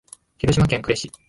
広島県呉市